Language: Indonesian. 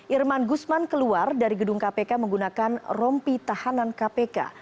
irman gusman keluar dari gedung kpk menggunakan rompi tahanan kpk